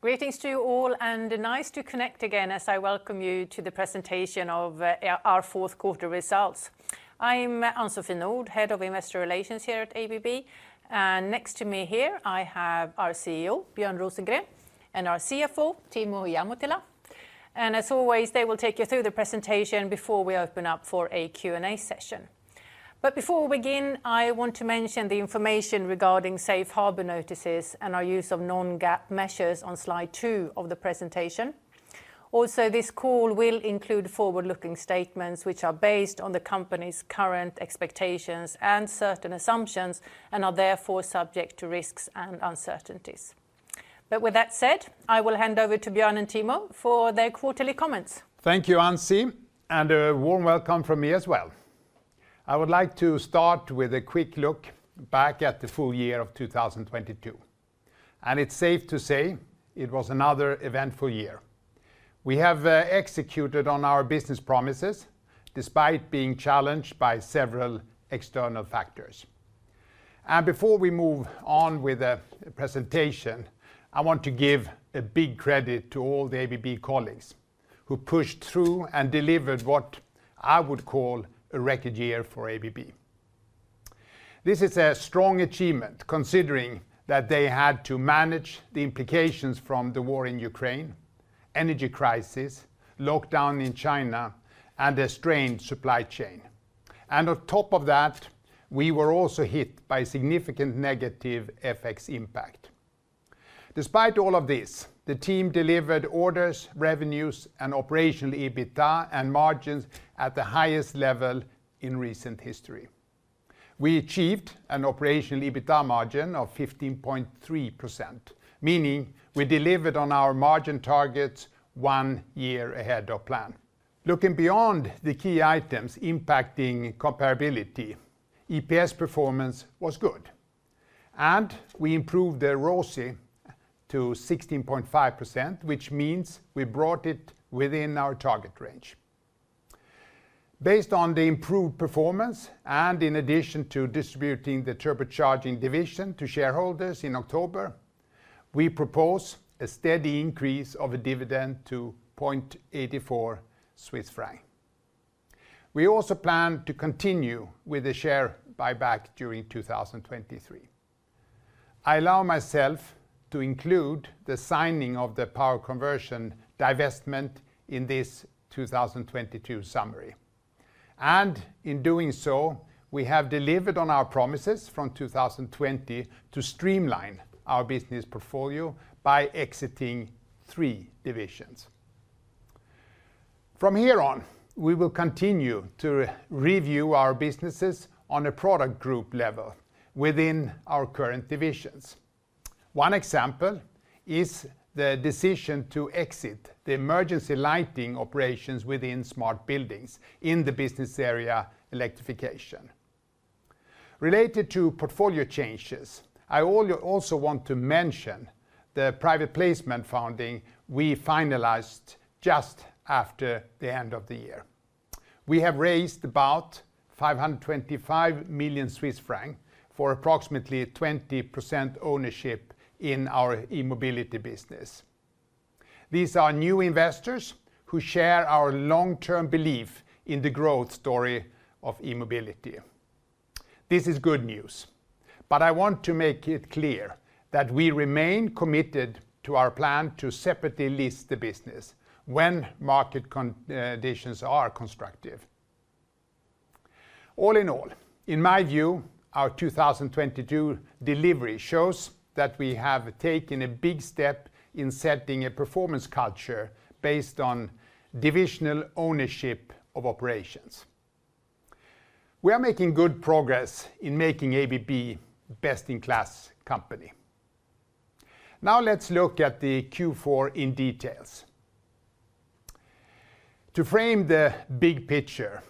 Greetings to you all, nice to connect again as I welcome you to the presentation of our Q4 results. I'm Ann-Sofie Nordh, Head of Investor Relations here at ABB. Next to me here I have our CEO, Björn Rosengren, and our CFO, Timo Ihamuotila. As always, they will take you through the presentation before we open up for a Q&A session. Before we begin, I want to mention the information regarding safe harbor notices and our use of non-GAAP measures on slide two of the presentation. Also, this call will include forward-looking statements, which are based on the company's current expectations and certain assumptions, and are therefore subject to risks and uncertainties. With that said, I will hand over to Björn and Timo for their quarterly comments. Thank you, Ann-Sofie, and a warm welcome from me as well. I would like to start with a quick look back at the full year of 2022, and it's safe to say it was another eventful year. We have executed on our business promises despite being challenged by several external factors. Before we move on with the presentation, I want to give a big credit to all the ABB colleagues who pushed through and delivered what I would call a record year for ABB. This is a strong achievement considering that they had to manage the implications from the war in Ukraine, energy crisis, lockdown in China, and a strained supply chain. On top of that, we were also hit by significant negative FX impact. Despite all of this, the team delivered orders, revenues, and operational EBITDA and margins at the highest level in recent history. We achieved an Operational EBITDA margin of 15.3%, meaning we delivered on our margin targets one year ahead of plan. Looking beyond the key items impacting comparability, EPS performance was good, and we improved the ROCE to 16.5%, which means we brought it within our target range. Based on the improved performance, and in addition to distributing the Turbocharging division to shareholders in October, we propose a steady increase of a dividend to 0.84 Swiss franc. We also plan to continue with the share buyback during 2023. I allow myself to include the signing of the Power Conversion divestment in this 2022 summary. In doing so, we have delivered on our promises from 2020 to streamline our business portfolio by exiting 3 divisions. From here on, we will continue to review our businesses on a product group level within our current divisions. One example is the decision to exit the emergency lighting operations within Smart Buildings in the business area Electrification. Related to portfolio changes, I also want to mention the private placement funding we finalized just after the end of the year. We have raised about 525 million Swiss francs for approximately 20% ownership in our E-mobility business. These are new investors who share our long-term belief in the growth story of E-mobility. This is good news, but I want to make it clear that we remain committed to our plan to separately list the business when market conditions are constructive. All in all, in my view, our 2022 delivery shows that we have taken a big step in setting a performance culture based on divisional ownership of operations. We are making good progress in making ABB best-in-class company. Now, let's look at the Q4 in detail. To frame the big picture,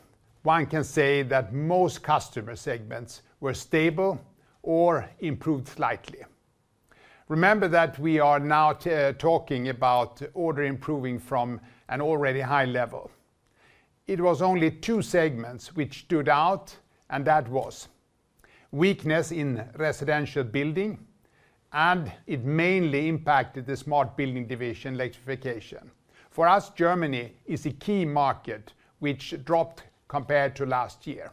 one can say that most customer segments were stable or improved slightly. Remember that we are now talking about orders improving from an already high level. It was only two segments which stood out. That was weakness in residential building. It mainly impacted the Smart Building division Electrification. For us, Germany is a key market which dropped compared to last year.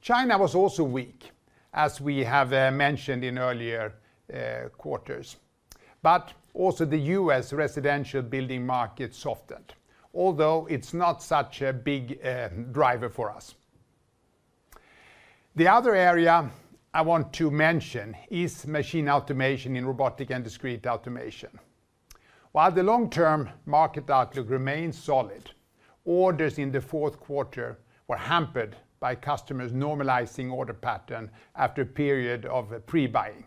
China was also weak, as we have mentioned in earlier quarters. Also the U.S. residential building market softened, although it's not such a big driver for us. The other area I want to mention is Machine Automation in Robotics & Discrete Automation. While the long-term market outlook remains solid, orders in the Q4 were hampered by customers normalizing order patterns after a period of pre-buying.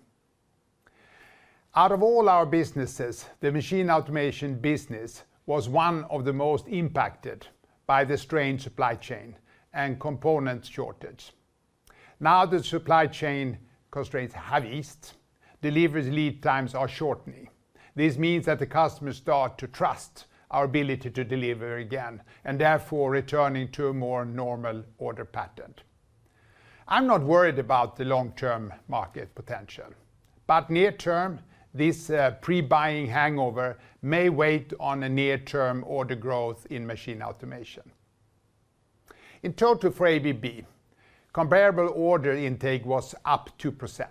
Out of all our businesses, the Machine Automation business was one of the most impacted by the strained supply chain and component shortage. Now, the supply chain constraints have eased, deliveries lead times are shortening. This means that the customers start to trust our ability to deliver again, and therefore returning to a more normal order pattern. I'm not worried about the long-term market potential, but near-term, this pre-buying hangover may wait on a near-term order growth in Machine Automation. In total for ABB, comparable order intake was up 2%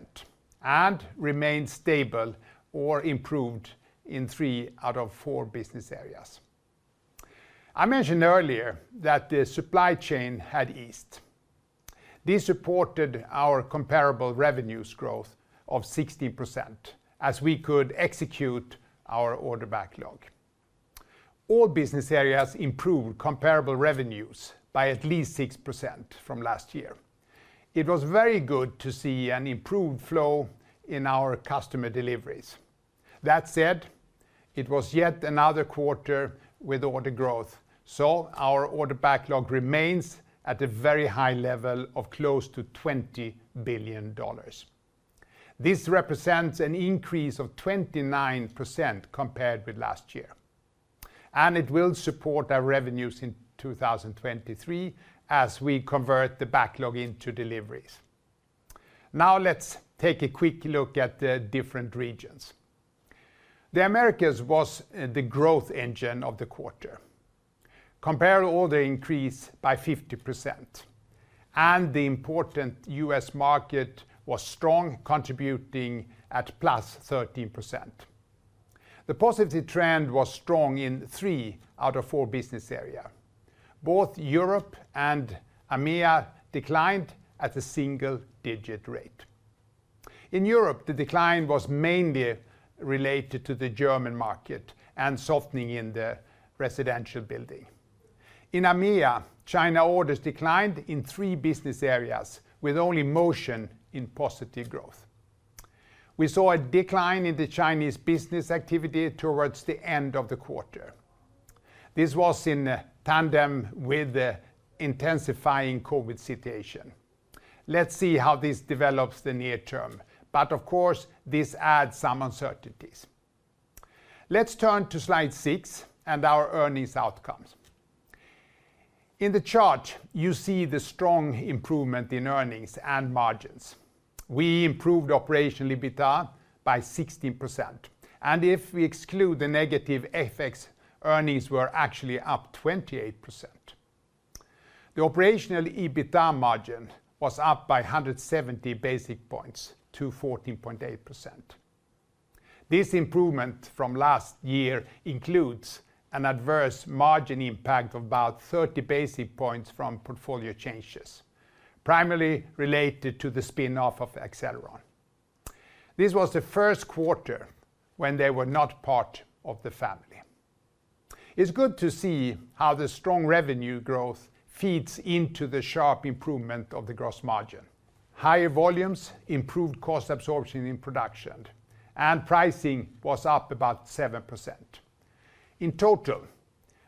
and remained stable or improved in 3 out of 4 business areas. I mentioned earlier that the supply chain had eased. This supported our comparable revenues growth of 16% as we could execute our order backlog. All business areas improved comparable revenues by at least 6% from last year. It was very good to see an improved flow in our customer deliveries. That said, it was yet another quarter with order growth, our order backlog remains at a very high level of close to $20 billion. This represents an increase of 29% compared with last year, it will support our revenues in 2023 as we convert the backlog into deliveries. Let's take a quick look at the different regions. The Americas was the growth engine of the quarter. Compare order increase by 50%, the important U.S. market was strong, contributing at +13%. The positive trend was strong in three out of four business area. Both Europe and EMEA declined at a single digit rate. In Europe, the decline was mainly related to the German market and softening in the residential building. In EMEA, China orders declined in 3 business areas with only Motion in positive growth. We saw a decline in the Chinese business activity towards the end of the quarter. This was in tandem with the intensifying COVID situation. Let's see how this develops the near term, but of course, this adds some uncertainties. Let's turn to slide 6 and our earnings outcomes. In the chart, you see the strong improvement in earnings and margins. We improved Operational EBITDA by 16%, and if we exclude the negative FX, earnings were actually up 28%. The Operational EBITDA margin was up by 170 basic points to 14.8%. This improvement from last year includes an adverse margin impact of about 30 basic points from portfolio changes, primarily related to the spin-off of Accelleron. This was Q1 when they were not part of the family. It's good to see how the strong revenue growth feeds into the sharp improvement of the gross margin. Higher volumes improved cost absorption in production, and pricing was up about 7%. In total,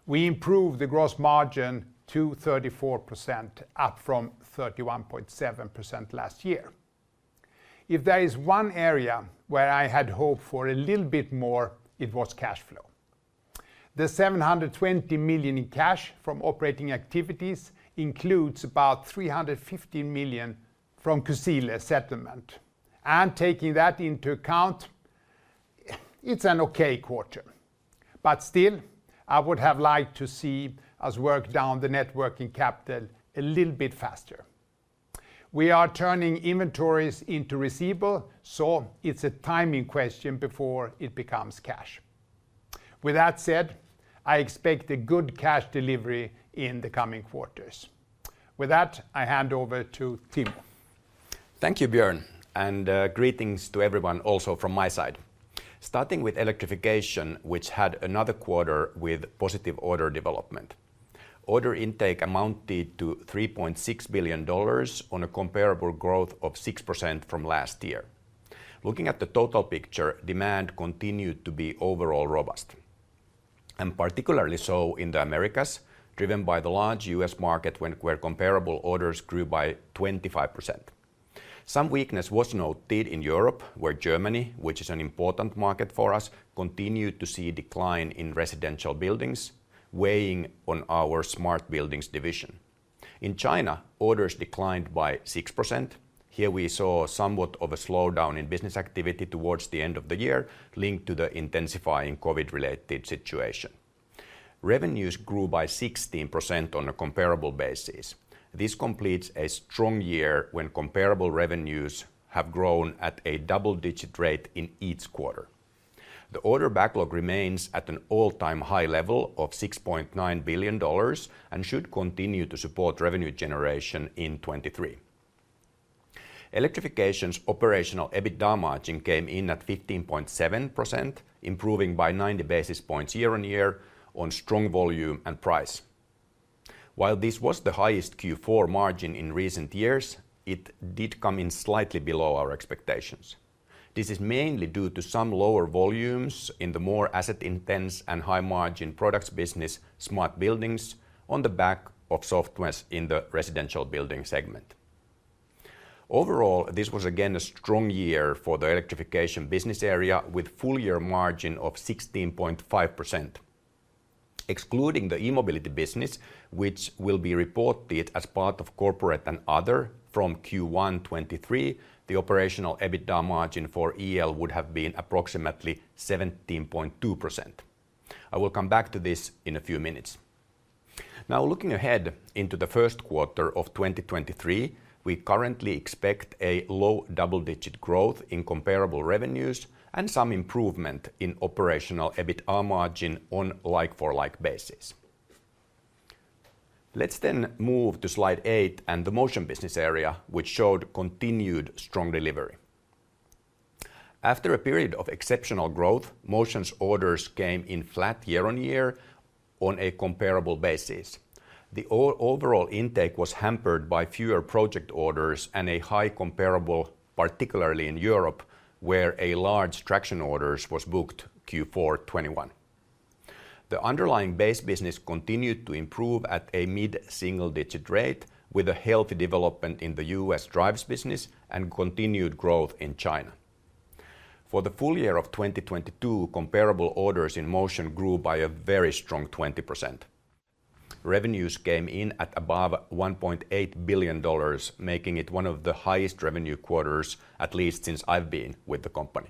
we improved the gross margin to 34%, up from 31.7% last year. If there is one area where I had hoped for a little bit more, it was cash flow. The $720 million in cash from operating activities includes about $350 million from Kusile settlement. Taking that into account, it's an okay quarter. Still, I would have liked to see us work down the net working capital a little bit faster. We are turning inventories into receivable, so it's a timing question before it becomes cash. With that said, I expect a good cash delivery in the coming quarters. With that, I hand over to Timo. Thank you, Björn. Greetings to everyone also from my side. Starting with Electrification, which had another quarter with positive order development. Order intake amounted to $3.6 billion on a comparable growth of 6% from last year. Looking at the total picture, demand continued to be overall robust, and particularly so in the Americas, driven by the large U.S. market where comparable orders grew by 25%. Some weakness was noted in Europe, where Germany, which is an important market for us, continued to see a decline in residential buildings, weighing on our Smart Buildings division. In China, orders declined by 6%. We saw somewhat of a slowdown in business activity towards the end of the year, linked to the intensifying COVID-related situation. Revenues grew by 16% on a comparable basis. This completes a strong year when comparable revenues have grown at a double-digit rate in each quarter. The order backlog remains at an all-time high level of $6.9 billion and should continue to support revenue generation in 2023. Electrification's operational EBITDA margin came in at 15.7%, improving by 90 basis points year-on-year on strong volume and price. While this was the highest Q4 margin in recent years, it did come in slightly below our expectations. This is mainly due to some lower volumes in the more asset intense and high margin products business, Smart Buildings on the back of softness in the residential building segment. Overall, this was again a strong year for the Electrification business area with full year margin of 16.5%. Excluding the E-mobility business, which will be reported as part of corporate and other from Q1 2023, the operational EBITDA margin for EL would have been approximately 17.2%. I will come back to this in a few minutes. Looking ahead into the Q1 2023, we currently expect a low double-digit growth in comparable revenues and some improvement in operational EBITDA margin on like-for-like basis. Let's move to slide 8 and the Motion business area, which showed continued strong delivery. After a period of exceptional growth, Motion's orders came in flat year-on-year on a comparable basis. The overall intake was hampered by fewer project orders and a high comparable, particularly in Europe, where a large traction orders was booked Q4 2021. The underlying base business continued to improve at a mid-single digit rate with a healthy development in the U.S. drives business and continued growth in China. For the full year of 2022, comparable orders in Motion grew by a very strong 20%. Revenues came in at above $1.8 billion, making it one of the highest revenue quarters, at least since I've been with the company.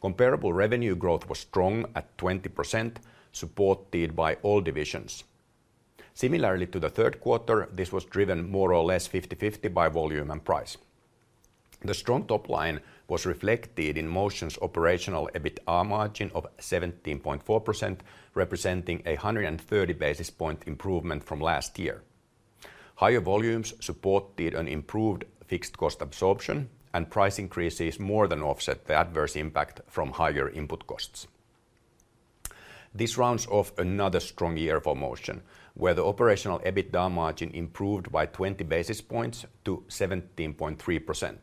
Comparable revenue growth was strong at 20%, supported by all divisions. Similarly to the third quarter, this was driven more or less 50/50 by volume and price. The strong top line was reflected in Motion's operational EBITDA margin of 17.4%, representing a 130 basis point improvement from last year. Higher volumes supported an improved fixed cost absorption, and price increases more than offset the adverse impact from higher input costs. This rounds off another strong year for Motion, where the operational EBITDA margin improved by 20 basis points to 17.3%.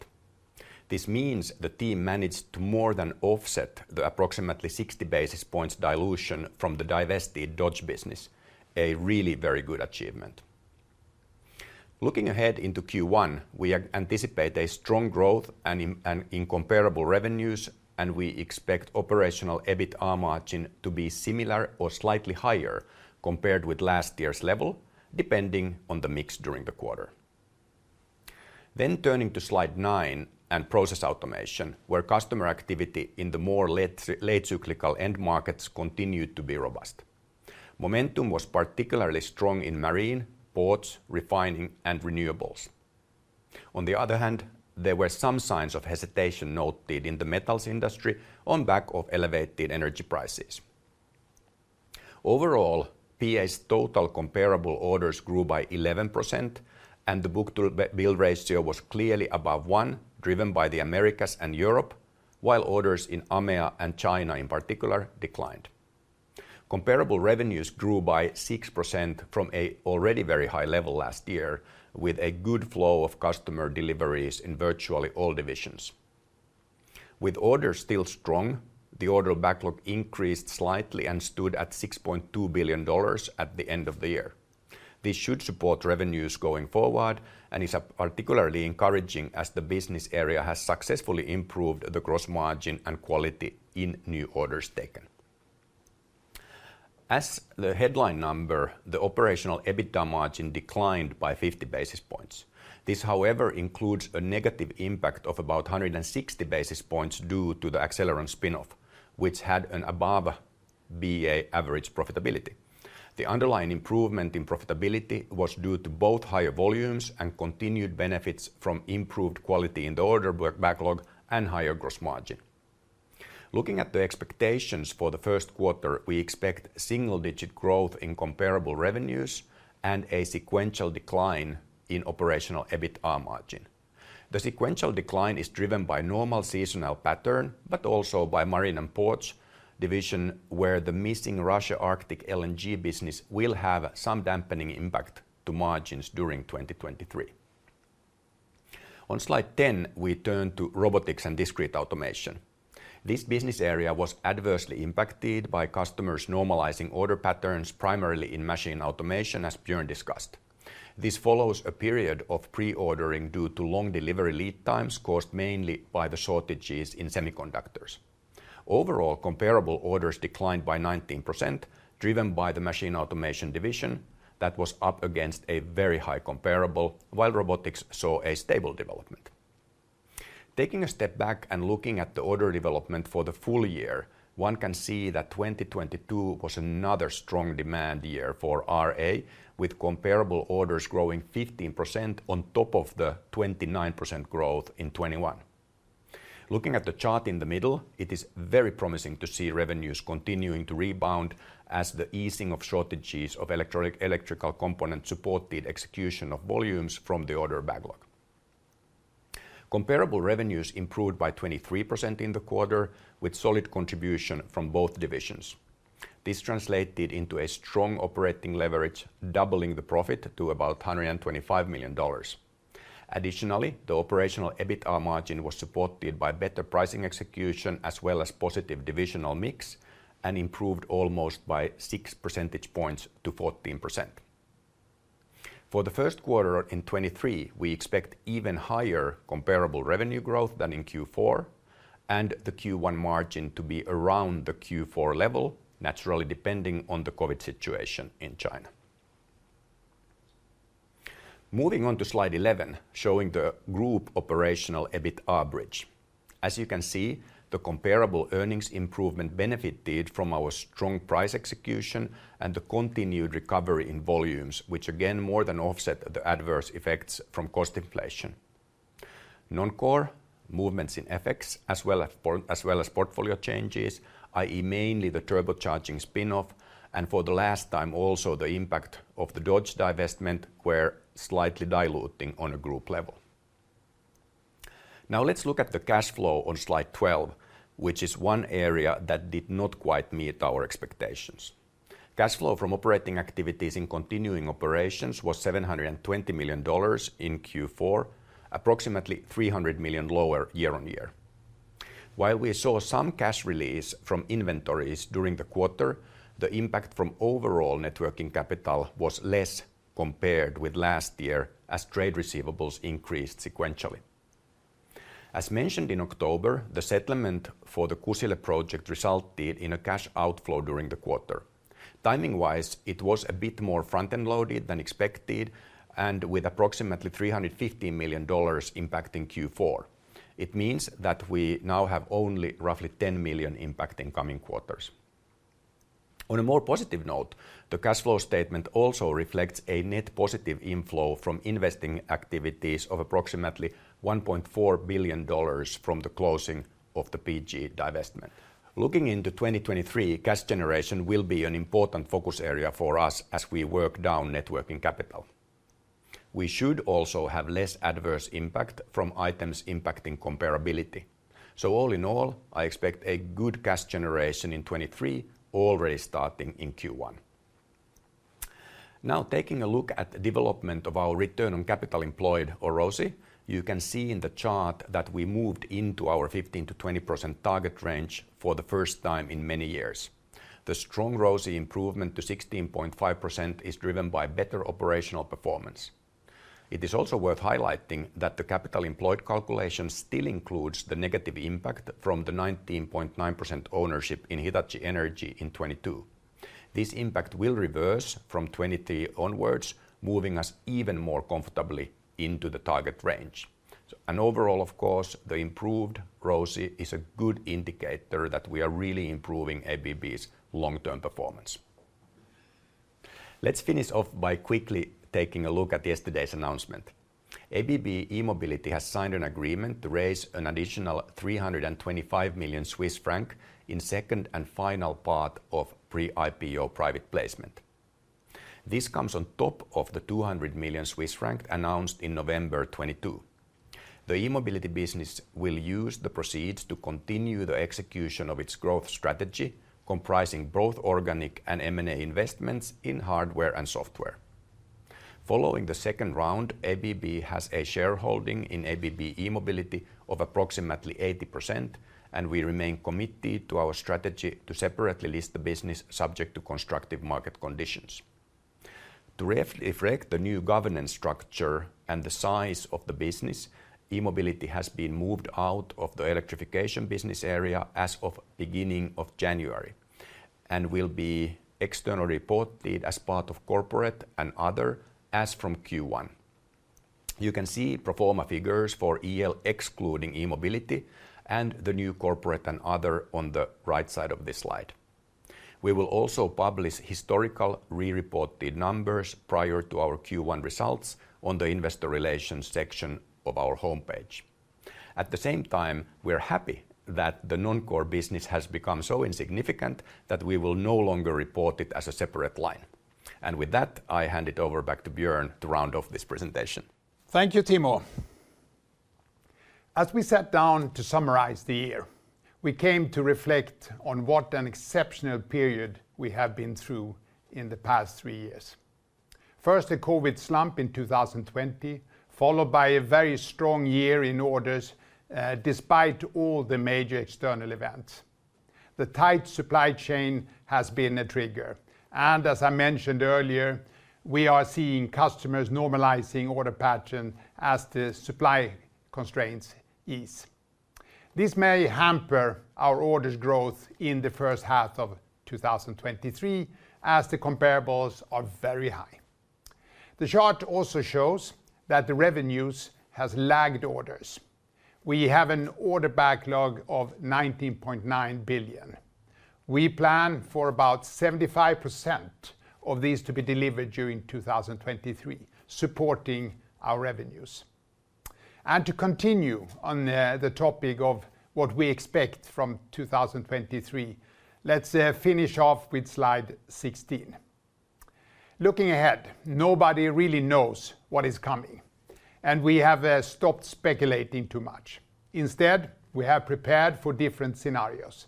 This means the team managed to more than offset the approximately 60 basis points dilution from the divested Dodge business, a really very good achievement. Looking ahead into Q1, we anticipate a strong growth and in comparable revenues, and we expect operational EBITDA margin to be similar or slightly higher compared with last year's level, depending on the mix during the quarter. Turning to slide 9 and Process Automation, where customer activity in the more late cyclical end markets continued to be robust. Momentum was particularly strong in marine, ports, refining, and renewables. On the other hand, there were some signs of hesitation noted in the metals industry on back of elevated energy prices. Overall, PA's total comparable orders grew by 11%, and the book-to-bill ratio was clearly above 1, driven by the Americas and Europe, while orders in AMEA and China in particular declined. Comparable revenues grew by 6% from a already very high level last year, with a good flow of customer deliveries in virtually all divisions. With orders still strong, the order backlog increased slightly and stood at $6.2 billion at the end of the year. This should support revenues going forward and is particularly encouraging as the business area has successfully improved the gross margin and quality in new orders taken. As the headline number, the operational EBITDA margin declined by 50 basis points. This, however, includes a negative impact of about 160 basis points due to the Accelleron spinoff, which had an above BA average profitability. The underlying improvement in profitability was due to both higher volumes and continued benefits from improved quality in the order backlog and higher gross margin. Looking at the expectations for Q1, we expect single-digit growth in comparable revenues and a sequential decline in Operational EBITDA margin. The sequential decline is driven by normal seasonal pattern, also by Marine & Ports division, where the missing Russia Arctic LNG business will have some dampening impact to margins during 2023. On slide 10, we turn to Robotics & Discrete Automation. This business area was adversely impacted by customers normalizing order patterns primarily in Machine Automation, as Björn discussed. This follows a period of pre-ordering due to long delivery lead times caused mainly by the shortages in semiconductors. Overall, comparable orders declined by 19%, driven by the Machine Automation division that was up against a very high comparable, while Robotics saw a stable development. Taking a step back and looking at the order development for the full year, one can see that 2022 was another strong demand year for RA, with comparable orders growing 15% on top of the 29% growth in 2021. Looking at the chart in the middle, it is very promising to see revenues continuing to rebound as the easing of shortages of electrical components supported execution of volumes from the order backlog. Comparable revenues improved by 23% in the quarter, with solid contribution from both divisions. This translated into a strong operating leverage, doubling the profit to about $125 million. Additionally, the operational EBITDA margin was supported by better pricing execution as well as positive divisional mix, and improved almost by 6 percentage points to 14%. For Q1 in 2023, we expect even higher comparable revenue growth than in Q4 and the Q1 margin to be around the Q4 level, naturally depending on the COVID situation in China. Moving on to slide 11, showing the group operational EBITA bridge. As you can see, the comparable earnings improvement benefited from our strong price execution and the continued recovery in volumes, which again more than offset the adverse effects from cost inflation. Non-core movements in FX, as well as portfolio changes, mainly the turbocharging spin-off, and for the last time also the impact of the Dodge divestment were slightly diluting on a group level. Let's look at the cash flow on slide 12, which is one area that did not quite meet our expectations. Cash flow from operating activities in continuing operations was $720 million in Q4, approximately $300 million lower year-over-year. We saw some cash release from inventories during the quarter, the impact from overall networking capital was less compared with last year as trade receivables increased sequentially. Mentioned in October, the settlement for the Kusile project resulted in a cash outflow during the quarter. Timing-wise, it was a bit more front-end loaded than expected, with approximately $350 million impacting Q4. It means that we now have only roughly $10 million impact in coming quarters. On a more positive note, the cash flow statement also reflects a net positive inflow from investing activities of approximately $1.4 billion from the closing of the PG divestment. Looking into 2023, cash generation will be an important focus area for us as we work down networking capital. We should also have less adverse impact from items impacting comparability. All in all, I expect a good cash generation in 2023 already starting in Q1. Now taking a look at the development of our return on capital employed, or ROCE, you can see in the chart that we moved into our 15%-20% target range for the first time in many years. The strong ROCE improvement to 16.5% is driven by better operational performance. It is also worth highlighting that the capital employed calculation still includes the negative impact from the 19.9% ownership in Hitachi Energy in 2022. This impact will reverse from 2023 onwards, moving us even more comfortably into the target range. Overall, of course, the improved ROCE is a good indicator that we are really improving ABB's long-term performance. Let's finish off by quickly taking a look at yesterday's announcement. ABB E-mobility has signed an agreement to raise an additional 325 million Swiss franc in second and final part of pre-IPO private placement. This comes on top of the 200 million Swiss franc announced in November 2022. The E-mobility business will use the proceeds to continue the execution of its growth strategy, comprising both organic and M&A investments in hardware and software. Following the second round, ABB has a shareholding in ABB E-mobility of approximately 80%. We remain committed to our strategy to separately list the business subject to constructive market conditions. To reflect the new governance structure and the size of the business, E-mobility has been moved out of the Electrification business area as of beginning of January and will be externally reported as part of corporate and other as from Q1. You can see pro forma figures for EL excluding E-mobility and the new corporate and other on the right side of this slide. We will also publish historical re-reported numbers prior to our Q1 results on the investor relations section of our homepage. At the same time, we're happy that the non-core business has become so insignificant that we will no longer report it as a separate line. With that, I hand it over back to Björn to round off this presentation. Thank you, Timo. As we sat down to summarize the year, we came to reflect on what an exceptional period we have been through in the past 3 years. First, a COVID slump in 2020, followed by a very strong year in orders, despite all the major external events. The tight supply chain has been a trigger. As I mentioned earlier, we are seeing customers normalizing order pattern as the supply constraints ease. This may hamper our orders growth in the first half of 2023 as the comparables are very high. The chart also shows that the revenues has lagged orders. We have an order backlog of $19.9 billion. We plan for about 75% of these to be delivered during 2023, supporting our revenues. To continue on the topic of what we expect from 2023, let's finish off with slide 16. Looking ahead, nobody really knows what is coming, and we have stopped speculating too much. Instead, we have prepared for different scenarios.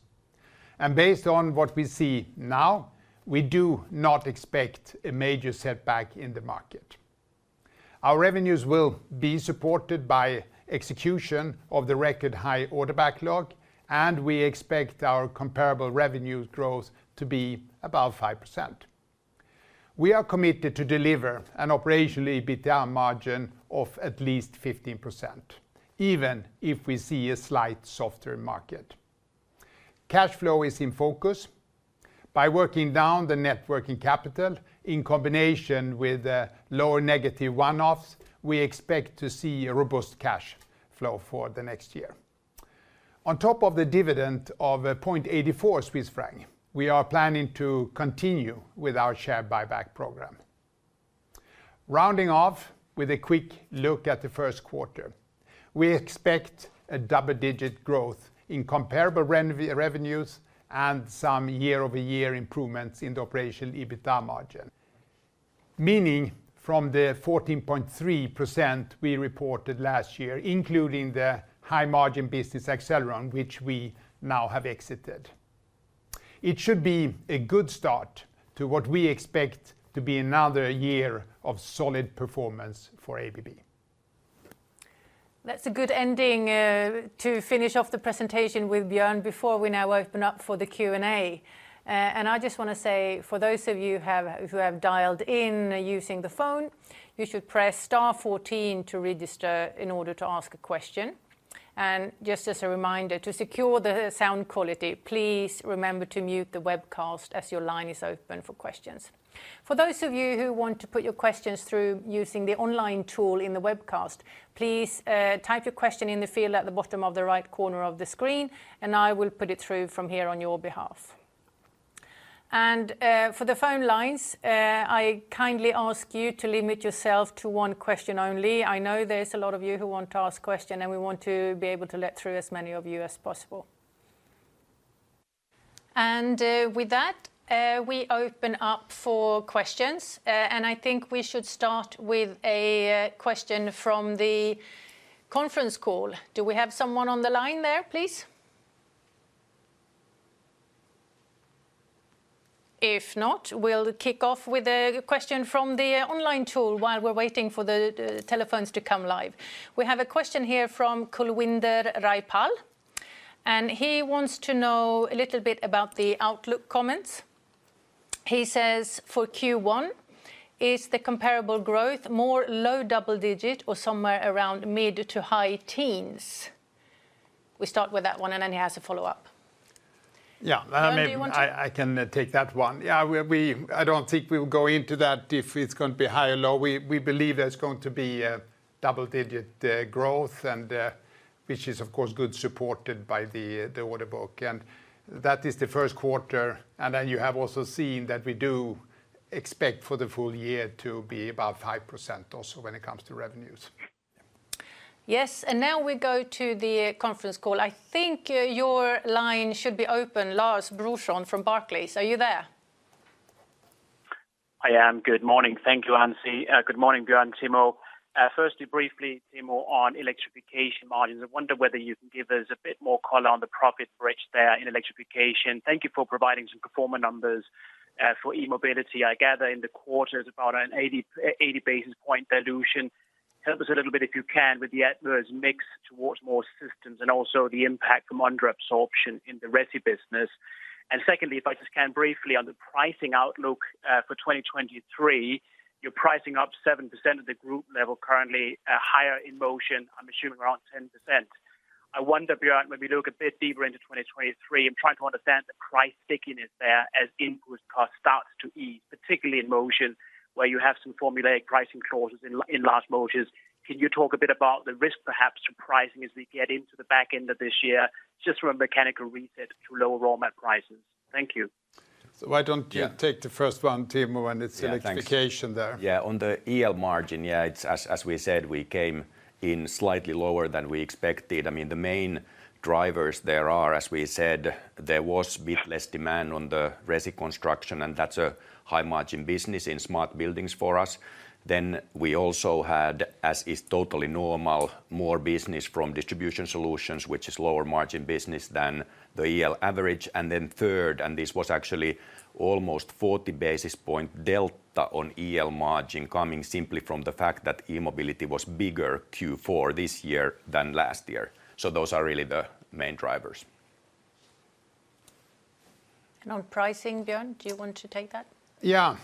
Based on what we see now, we do not expect a major setback in the market. Our revenues will be supported by execution of the record high order backlog, and we expect our comparable revenue growth to be above 5%. We are committed to deliver an operational EBITDA margin of at least 15%, even if we see a slight softer market. Cash flow is in focus. By working down the net working capital in combination with lower negative one-offs, we expect to see a robust cash flow for the next year. On top of the dividend of 0.84 Swiss franc, we are planning to continue with our share buyback program. Rounding off with a quick look at Q1, we expect a double-digit growth in comparable revenues and some year-over-year improvements in the operational EBITDA margin, meaning from the 14.3% we reported last year, including the high margin business Accelleron, which we now have exited. It should be a good start to what we expect to be another year of solid performance for ABB. That's a good ending to finish off the presentation with Björn before we now open up for the Q&A. I just want to say for those of you who have dialed in using the phone, you should press star 14 to register in order to ask a question. Just as a reminder, to secure the sound quality, please remember to mute the webcast as your line is open for questions. For those of you who want to put your questions through using the online tool in the webcast, please type your question in the field at the bottom of the right corner of the screen, and I will put it through from here on your behalf. For the phone lines, I kindly ask you to limit yourself to one question only. I know there's a lot of you who want to ask question, and we want to be able to let through as many of you as possible. With that, we open up for questions. I think we should start with a question from the conference call. Do we have someone on the line there, please? If not, we'll kick off with a question from the online tool while we're waiting for the telephones to come live. We have a question here from Kulwinder Rai Pal. He wants to know a little bit about the outlook comments. He says, "For Q1, is the comparable growth more low double digit or somewhere around mid to high teens?" We start with that one. Then he has a follow-up. Yeah. Björn, do you want to- I can take that one. Yeah, we don't think we'll go into that, if it's going to be high or low. We believe there's going to be a double-digit growth, which is of course good supported by the order book. That is Q1. You have also seen that we do expect for the full year to be above 5% also when it comes to revenues. Yes. Now we go to the conference call. I think, your line should be open, Lars Brorson from Barclays. Are you there? I am. Good morning. Thank you, AnN-Sofie. Good morning, Björn, Timo. Firstly, briefly, Timo, on Electrification margins, I wonder whether you can give us a bit more color on the profit bridge there in Electrification. Thank you for providing some pro forma numbers for E-mobility. I gather in the quarter it's about an 80 basis point dilution. Help us a little bit, if you can, with the adverse mix towards more systems and also the impact from under absorption in the resi business. Secondly, if I just can briefly on the pricing outlook for 2023, you're pricing up 7% of the group level currently, higher in Motion, I'm assuming around 10%. I wonder, Björn, when we look a bit deeper into 2023, I'm trying to understand the price stickiness there as input cost starts to ease, particularly in Motion, where you have some formulaic pricing clauses in large motions. Can you talk a bit about the risk, perhaps, to pricing as we get into the back end of this year, just from a mechanical reset to lower raw mat prices? Thank you. why don't you take the first one, Timo. Yeah. Thanks On electrification there. On the EL margin, yeah, it's as we said, we came in slightly lower than we expected. I mean, the main drivers there are, as we said, there was a bit less demand on the resi construction, and that's a high margin business in Smart Buildings for us. We also had, as is totally normal, more business from Distribution Solutions, which is lower margin business than the EL average. Third, and this was actually almost 40 basis point delta on EL margin coming simply from the fact that E-mobility was bigger Q4 this year than last year. Those are really the main drivers. On pricing, Björn, do you want to take that? Yeah.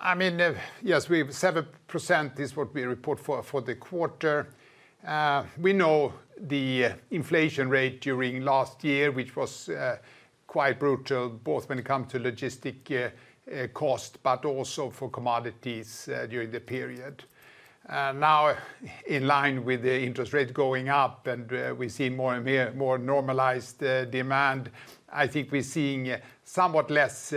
I mean, yes, we have 7%. This what we report for the quarter. We know the inflation rate during last year, which was quite brutal, both when it come to logistic cost, but also for commodities during the period. Now in line with the interest rate going up and we see more and more normalized demand, I think we're seeing somewhat less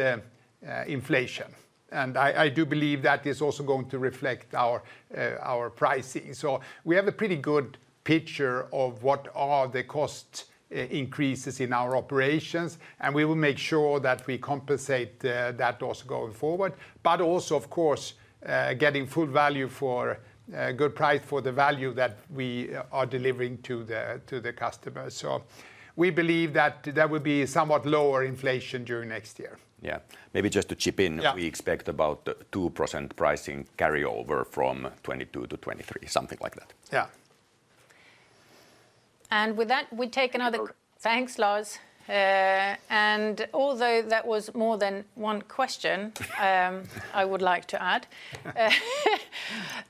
inflation. I do believe that is also going to reflect our pricing. We have a pretty good picture of what are the cost increases in our operations, and we will make sure that we compensate that also going forward, but also, of course, getting full value a good price for the value that we are delivering to the customers. We believe that there will be somewhat lower inflation during next year. Yeah. Maybe just to chip in. We expect about 2% pricing carryover from 2022 to 2023, something like that. Yeah. With that, thanks, Lars. Although that was more than one question. I would like to add.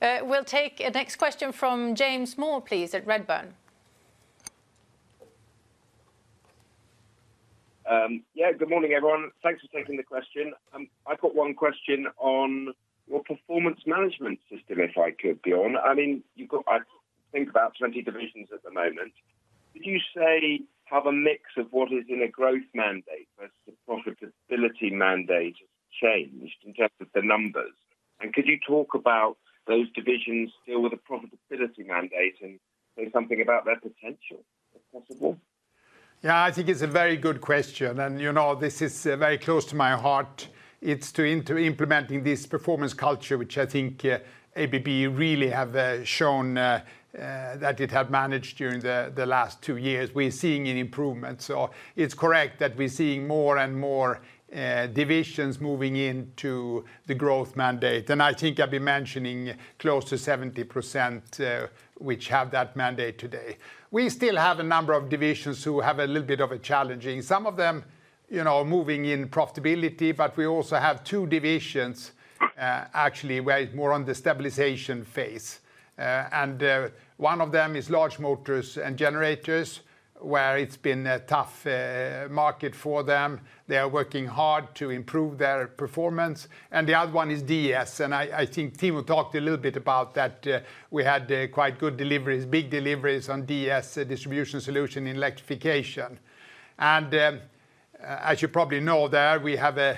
We'll take a next question from James Moore, please, at Redburn. Good morning, everyone. Thanks for taking the question. I've got one question on your performance management system, if I could, Björn. I mean, you've got, I think, about 20 divisions at the moment. Would you say have a mix of what is in a growth mandate versus the profitability mandate changed in terms of the numbers? Could you talk about those divisions still with the profitability mandate and say something about their potential, if possible? I think it's a very good question. This is very close to my heart. It's to implementing this performance culture, which I think ABB really have shown that it had managed during the last two years. We're seeing an improvement. It's correct that we're seeing more and more divisions moving into the growth mandate. I think I've been mentioning close to 70% which have that mandate today. We still have a number of divisions who have a little bit of a challenging. Some of them, are moving in profitability, but we also have two divisions actually where it's more on the stabilization phase. One of them is Large Motors and Generators, where it's been a tough market for them. They are working hard to improve their performance. The other one is DS. I think Timo talked a little bit about that, we had quite good deliveries, big deliveries on DS, Distribution Solutions in Electrification. As you probably know, there we have a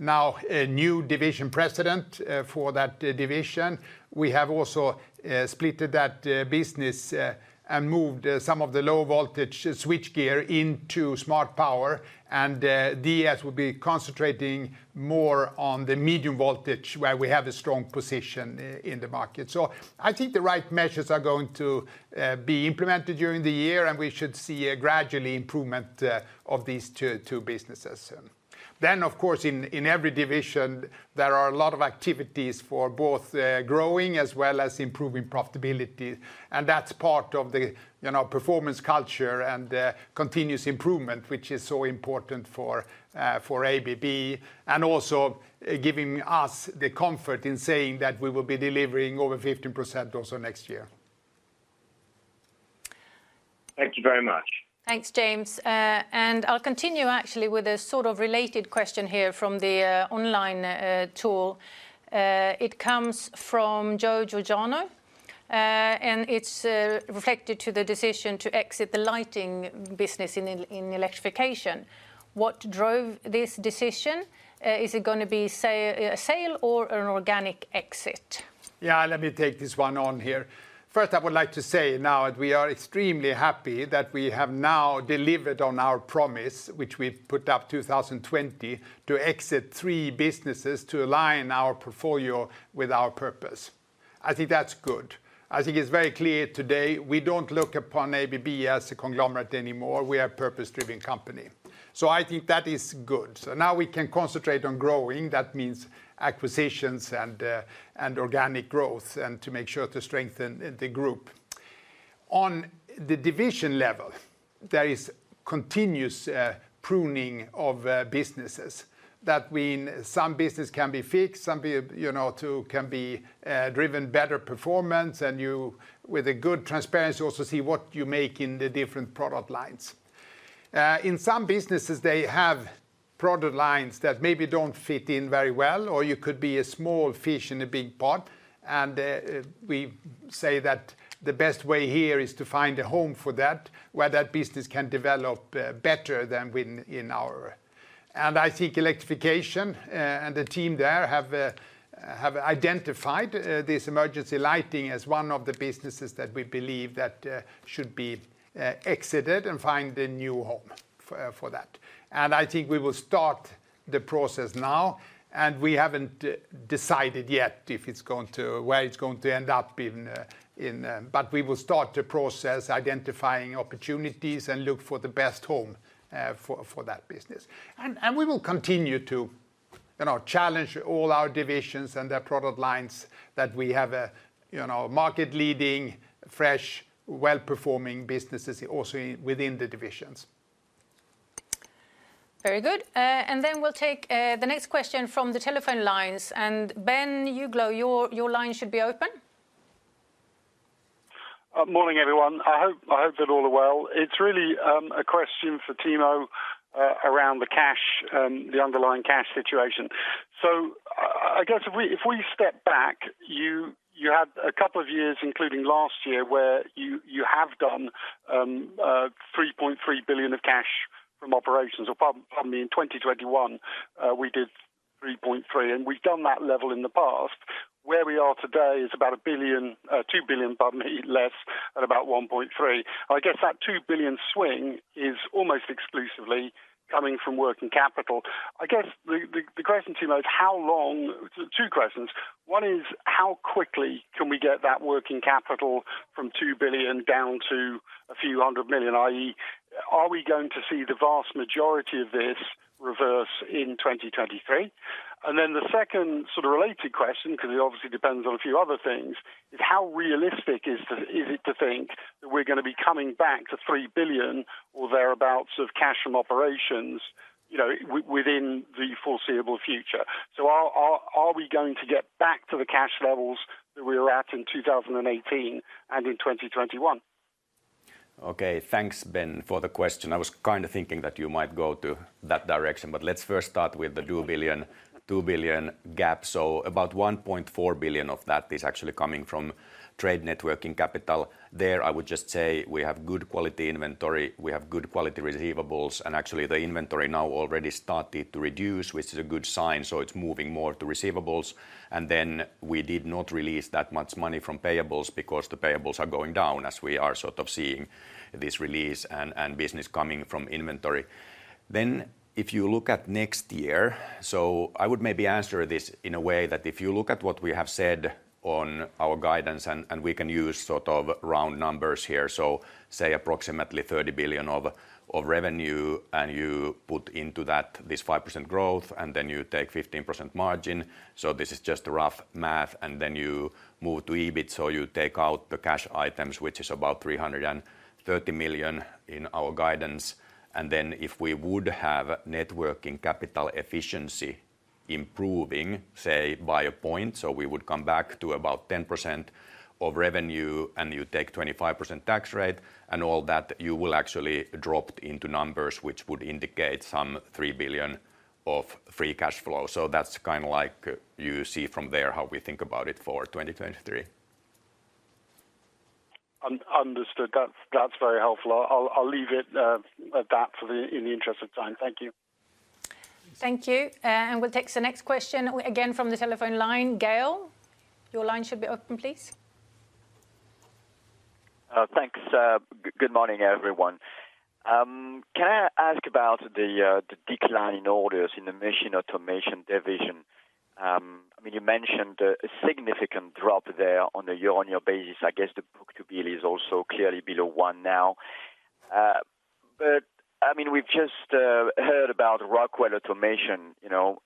now a new division president for that division. We have also splitted that business and moved some of the low voltage switchgear into Smart Power. DS will be concentrating more on the medium voltage where we have a strong position in the market. I think the right measures are going to be implemented during the year, and we should see a gradually improvement of these two businesses. Of course, in every division, there are a lot of activities for both growing as well as improving profitability. That's part of the, performance culture and continuous improvement, which is so important for ABB, and also giving us the comfort in saying that we will be delivering over 15% also next year. Thank you very much. Thanks, James. I'll continue actually with a sort of related question here from the online tool. It comes from Joe Georgiano, it's reflected to the decision to exit the lighting business in Electrification. What drove this decision? Is it gonna be, say, a sale or an organic exit? Let me take this one on here. First, I would like to say now that we are extremely happy that we have now delivered on our promise, which we put up 2020 to exit three businesses to align our portfolio with our purpose. I think that's good. I think it's very clear today, we don't look upon ABB as a conglomerate anymore. We are a purpose-driven company. I think that is good. Now we can concentrate on growing. That means acquisitions and organic growth and to make sure to strengthen the group. On the division level, there is continuous pruning of businesses. That mean some business can be fixed, some, to can be driven better performance, and you, with a good transparency, also see what you make in the different product lines. In some businesses, they have product lines that maybe don't fit in very well, or you could be a small fish in a big pot. We say that the best way here is to find a home for that, where that business can develop better than within our. I think Electrification and the team there have identified this emergency lighting as one of the businesses that we believe should be exited and find a new home for that. I think we will start the process now, and we haven't decided yet if it's going to where it's going to end up in. But we will start the process, identifying opportunities and look for the best home for that business. We will continue to, challenge all our divisions and their product lines that we have a, market leading, fresh, well-performing businesses also in, within the divisions. Very good. We'll take the next question from the telephone lines. Ben Uglow, your line should be open. Morning, everyone. I hope that all are well. It's really a question for Timo around the cash, the underlying cash situation. I guess if we step back, you had a couple of years, including last year, where you have done $3.3 billion of cash from operations. Pardon me, in 2021, we did $3.3, and we've done that level in the past. Where we are today is about $1 billion, $2 billion, pardon me, less at about $1.3. I guess that $2 billion swing is almost exclusively coming from working capital. I guess the question, Timo, is how long. Two questions. One is, how quickly can we get that working capital from $2 billion down to $a few hundred million, are we going to see the vast majority of this reverse in 2023? The second sort of related question, because it obviously depends on a few other things, is how realistic is it to think that we're gonna be coming back to $3 billion or thereabouts of cash from operations, within the foreseeable future? Are we going to get back to the cash levels that we were at in 2018 and in 2021? Okay, thanks Ben for the question. I was kind of thinking that you might go to that direction. Let's first start with the $2 billion gap. About $1.4 billion of that is actually coming from trade networking capital. There, I would just say we have good quality inventory, we have good quality receivables, and actually the inventory now already started to reduce, which is a good sign. It's moving more to receivables. We did not release that much money from payables because the payables are going down as we are sort of seeing this release and business coming from inventory. If you look at next year, I would maybe answer this in a way that if you look at what we have said on our guidance, and we can use sort of round numbers here, say approximately $30 billion of revenue, and you put into that this 5% growth, you take 15% margin, this is just rough math, you move to EBIT, you take out the cash items, which is about $330 million in our guidance. If we would have networking capital efficiency improving, say, by a point, we would come back to about 10% of revenue, you take 25% tax rate and all that, you will actually drop into numbers which would indicate some $3 billion of free cash flow. That's kind of like you see from there how we think about it for 2023. Understood. That's very helpful. I'll leave it at that in the interest of time. Thank you. Thank you. We'll take the next question again from the telephone line. Gael, your line should be open, please. Thanks, good morning, everyone. Can I ask about the decline in orders in the Machine Automation division? You mentioned a significant drop there on a year-on-year basis. I guess the book-to-bill is also clearly below one now. We've just heard about Rockwell automation,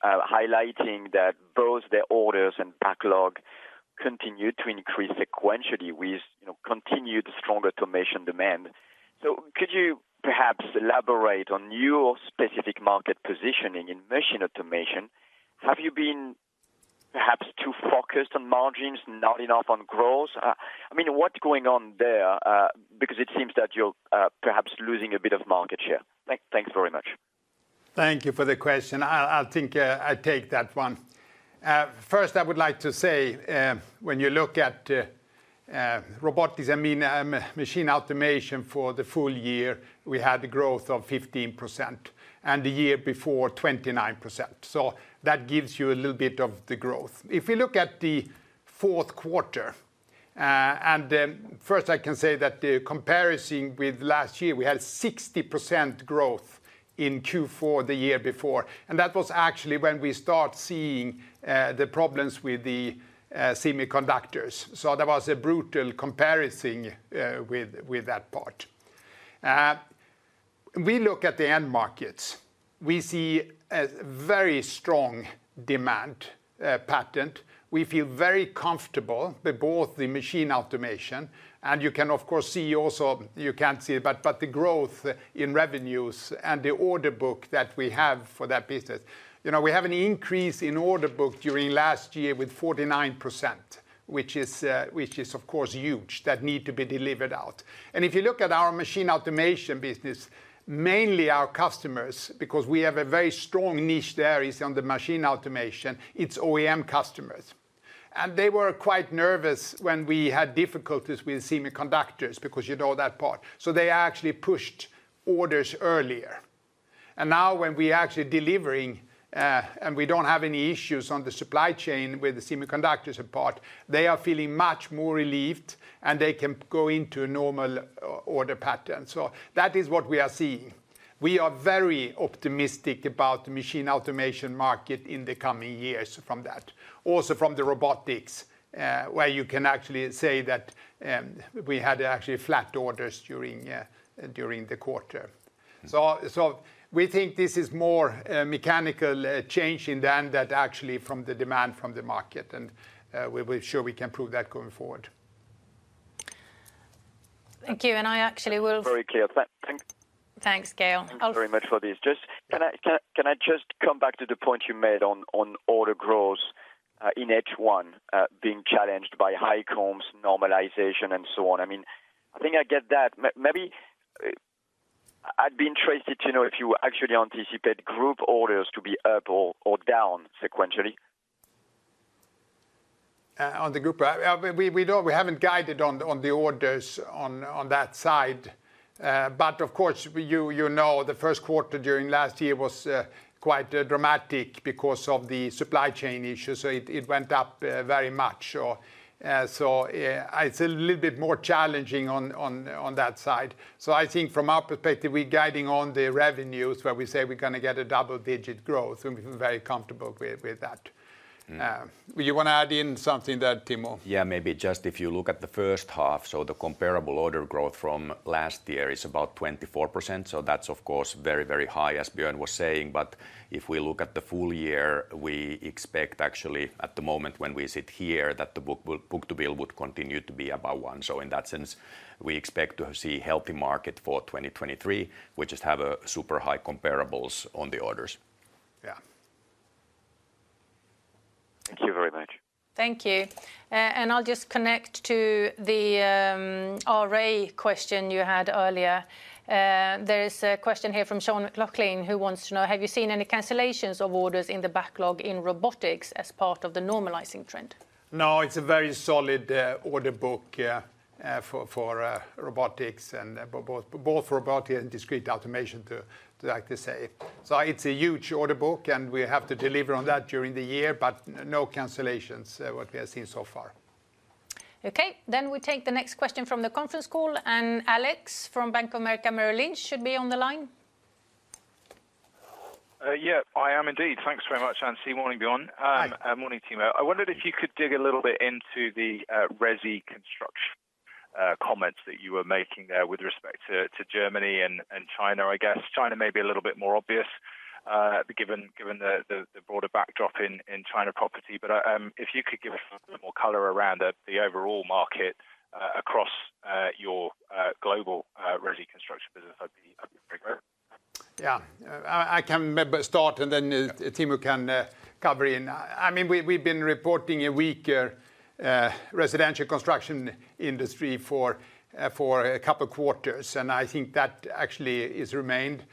highlighting that both their orders and backlog continued to increase sequentially with, continued strong automation demand. Could you perhaps elaborate on your specific market positioning in Machine Automation? Have you been perhaps too focused on margins, not enough on growth? I mean, what's going on there, because it seems that you're perhaps losing a bit of market share. Thanks very much. Thank you for the question. I'll think I take that one. First, I would like to say, when you look at robotics, I mean, Machine Automation for the full year, we had a growth of 15%, and the year before, 29%. That gives you a little bit of the growth. If you look at Q4, and first I can say that the comparison with last year, we had 60% growth in Q4 the year before. That was actually when we start seeing the problems with the semiconductors. There was a brutal comparison with that part. We look at the end markets. We see a very strong demand pattern. We feel very comfortable with both the Machine Automation, and you can of course see also you can't see it, but the growth in revenues and the order book that we have for that business. We have an increase in order book during last year with 49%, which is of course huge, that need to be delivered out. If you look at our Machine Automation business, mainly our customers, because we have a very strong niche there is on the Machine Automation, it's OEM customers. They were quite nervous when we had difficulties with semiconductors, because you know that part. They actually pushed orders earlier. Now when we're actually delivering, and we don't have any issues on the supply chain with the semiconductors part, they are feeling much more relieved, and they can go into normal order pattern. That is what we are seeing. We are very optimistic about the Machine Automation market in the coming years from that. Also from the robotics, where you can actually say that we had actually flat orders during the quarter. We think this is more a mechanical change than that actually from the demand from the market. We're sure we can prove that going forward. Thank you. I actually. Very clear. Thankyou. Thanks, Gael. Thanks very much for this. Can I just come back to the point you made on order growth, in H1, being challenged by high comms normalization and so on? I think I get that. Maybe, I'd be interested to know if you actually anticipate group orders to be up or down sequentially? On the group, we haven't guided on the orders on that side. Of course, Q1 during last year was quite dramatic because of the supply chain issues, so it went up very much. It's a little bit more challenging on that side. I think from our perspective, we're guiding on the revenues where we say we're gonna get a double-digit growth, and we're very comfortable with that. You wanna add in something there, Timo? Maybe just if you look at the first half, the comparable order growth from last year is about 24%. That's of course very, very high, as Björn was saying. If we look at the full year, we expect actually at the moment when we sit here, that the book to bill would continue to be above 1. In that sense, we expect to see healthy market for 2023. We just have super high comparables on the orders. Yeah. Thank you very much. Thank you. I'll just connect to the RA question you had earlier. There is a question here from Sean McLoughlin who wants to know, have you seen any cancellations of orders in the backlog in robotics as part of the normalizing trend? It's a very solid order book for Robotics and both Robotics and Discrete Automation to like to say. It's a huge order book, and we have to deliver on that during the year. No cancellations what we have seen so far. Okay. We take the next question from the conference call, and Alex from Bank of America Merrill Lynch should be on the line. I am indeed. Thanks very much, Ann. Morning, Björn. Hi. Morning, Timo. I wondered if you could dig a little bit into the resi construction comments that you were making there with respect to Germany and China, I guess. China may be a little bit more obvious given the broader backdrop in China property, but if you could give more color around the overall market across your global resi construction business, that'd be great. Yeah. I can maybe start, and then. Timo can cover in. I mean, we've been reporting a weaker residential construction industry for a couple quarters, and I think that actually is remained.